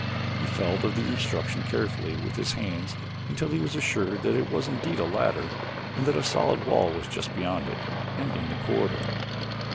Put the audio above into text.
He felt of the obstruction carefully with his hands until he was assured that it was indeed a ladder and that a solid wall was just beyond it, ending the corridor.